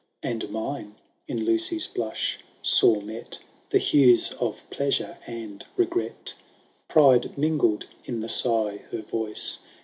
And mine, in Lucy^s blush, saw met The hues of pleasure and regret ; Pride mingled in the sigh her voice.